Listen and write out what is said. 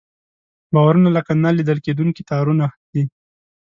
باورونه لکه نه لیدل کېدونکي تارونه دي.